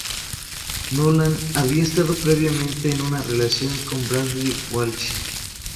Nolan había estado previamente en una relación con Bradley Walsh.